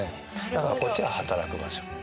だからこっちが働く場所。